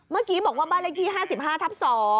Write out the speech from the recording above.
เมื่อกี้บอกว่าบารกี้๕๕ทัพ๒